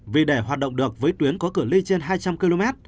vì để hoạt động được với tuyến có cửa lên trên hai trăm linh km